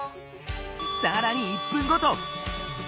さらに１分ごと！